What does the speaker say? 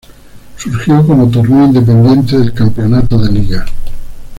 Surgió como torneo independiente del campeonato de Liga.